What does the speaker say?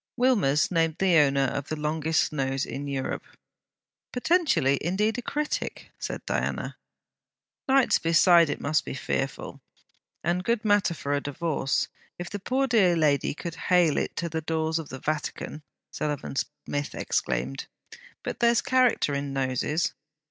Wilmers named the owner of the longest nose in Europe. 'Potentially, indeed a critic!' said Diana. 'Nights beside it must be fearful, and good matter for a divorce, if the poor dear lady could hale it to the doors of the Vatican!' Sullivan Smith exclaimed. 'But there's character in noses.'